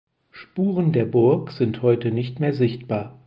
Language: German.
Spuren der Burg sind heute nicht mehr sichtbar.